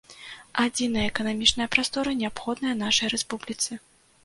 Адзіная эканамічная прастора неабходная нашай рэспубліцы.